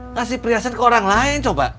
ngasih perhiasan ke orang lain coba